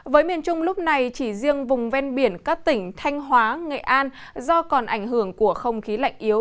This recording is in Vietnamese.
với miền trung lúc này chỉ riêng vùng ven biển các tỉnh thanh hóa nghệ an do còn ảnh hưởng của không khí lạnh yếu